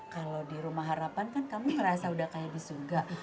kalau di rumah harapan kan kamu ngerasa udah kayak di suga